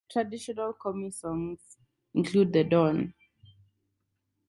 Traditional Komi songs include "The Dawn".